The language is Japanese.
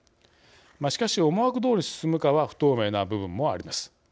しかし、思惑どおり進むかは不透明な部分もあります。